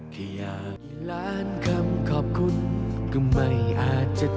ที่จะจดจำ